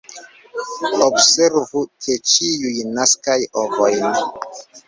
Observu ke ĉiuj naskas ovojn.